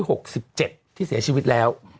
หกสิบเจ็ดที่เสียชีวิตแล้ว